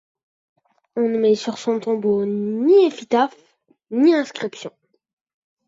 On ne met sur son tombeau ni épitaphe ni inscription.